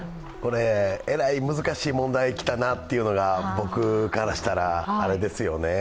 えらい難しい問題来たなというのが、僕からしたらあれですね。